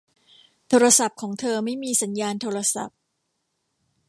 โทรศัพท์ของเธอไม่มีสัญญาณโทรศัพท์